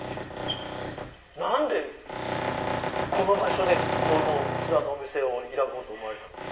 何でこの場所で器のお店を開こうと思われたんですか？